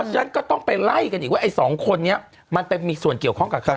ฉะนั้นก็ต้องไปไล่กันอีกว่าไอ้สองคนนี้มันไปมีส่วนเกี่ยวข้องกับใคร